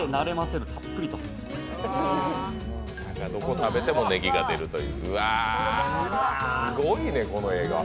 どこ食べてもねぎが出るという。